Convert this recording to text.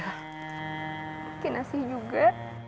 mungkin asli juga